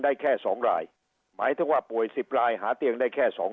แค่สองรายหมายถึงว่าป่วย๑๐รายหาเตียงได้แค่สองคน